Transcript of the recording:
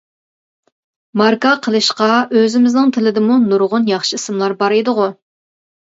ماركا قىلىشقا ئۆزىمىزنىڭ تىلىدىمۇ نۇرغۇن ياخشى ئىسىملار بار ئىدىغۇ.